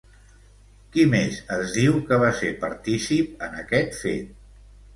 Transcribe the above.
Qui més es diu que va ser partícip en aquest fet?